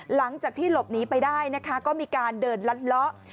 หลังจากที่หลบหนีไปได้นะคะก็มีการเดินลัดเลาะ